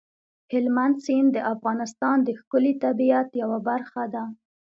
هلمند سیند د افغانستان د ښکلي طبیعت یوه برخه ده.